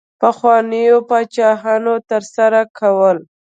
پخوانیو پاچاهانو ترسره کول.